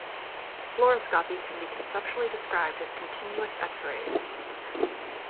Fluoroscopy can be conceptually described as continuous x-rays.